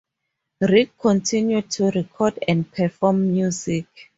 Rick continued to record and perform music.